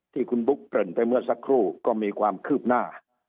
ที่คุณบุ๊คเกริ่นไปเมื่อสักครู่ก็มีความคืบหน้า